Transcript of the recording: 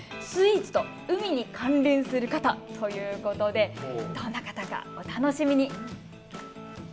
スイーツと海に関連する方ということでどんな方か、お楽しみに。